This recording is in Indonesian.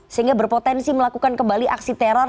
sehingga berpotensi melakukan kembali aksi teror